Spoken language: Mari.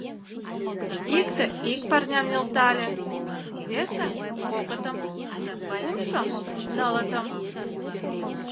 Икте ик парням нӧлтале, весе — кокытым, кумшо — нылытым.